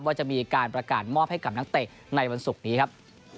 ว่าจะมีการประกาศมอบให้กับนักเตะในวันศุกร์นี้ครับ